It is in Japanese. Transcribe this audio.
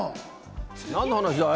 何の話だい？